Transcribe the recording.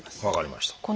分かりました。